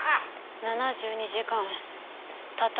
７２時間たった